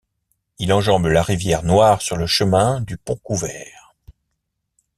Il enjambe la rivière Noire sur le chemin du Pont-Couvert.